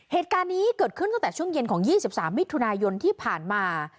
เหตุการณ์นี้เกิดขึ้นตั้งแต่ช่วงเย็นของ๒๓มิถุนายนที่ผ่านมา